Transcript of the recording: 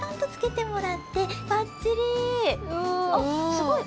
すごい。